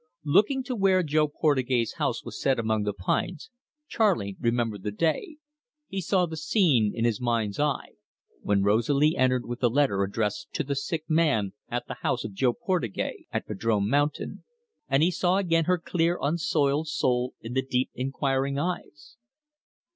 Looking to where Jo Portugais' house was set among the pines, Charley remembered the day he saw the scene in his mind's eye when Rosalie entered with the letter addressed "To the sick man at the house of Jo Portugais, at Vadrome Mountain," and he saw again her clear, unsoiled soul in the deep inquiring eyes.